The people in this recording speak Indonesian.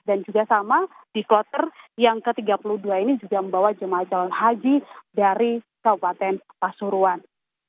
dan juga sama di klotor yang ke tiga puluh dua ini juga membawa jemaah calon haji dari kabupaten pasuruan